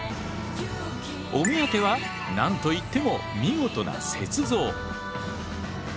お目当ては何といっても見事な雪像。